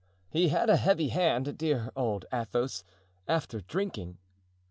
He had a heavy hand—dear old Athos—after drinking."